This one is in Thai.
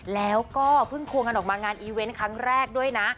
แล้วก็เพิ่งควงกันออกมางานอีเวนต์ครั้งแรกด้วยนะ